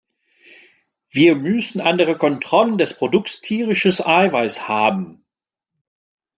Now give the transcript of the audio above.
Wir müssen andere Kontrollen des Produkts tierisches Eiweiß haben.